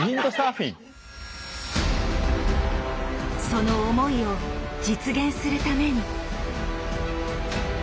その思いを実現するために。